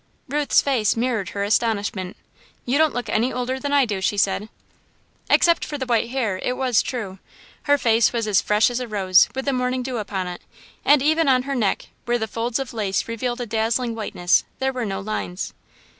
Ruth's face mirrored her astonishment. "You don't look any older than I do," she said. Except for the white hair, it was true. Her face was as fresh as a rose with the morning dew upon it, and even on her neck, where the folds of lace revealed a dazzling whiteness, there were no lines.